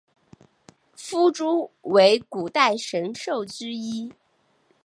夫诸为古代神兽之一。